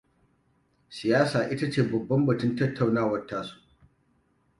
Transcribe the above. Siyasa ita ce babban batun tattaunawar tasu.